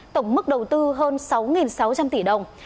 tổng mức đầu tư hơn sáu sáu trăm linh tỷ đồng